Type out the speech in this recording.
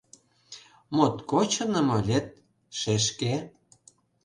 Моткоч чыным ойлет, шешке.